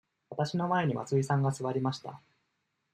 わたしの前に松井さんが座りました。